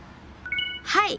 はい。